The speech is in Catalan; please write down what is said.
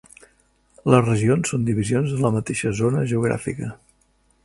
Les regions són divisions de la mateixa zona geogràfica.